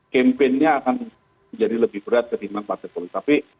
kempennya akan menjadi lebih berat dari partai politik